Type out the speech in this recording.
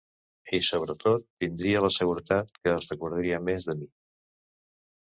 I, sobretot, tindria la seguretat que es recordaria més de mi.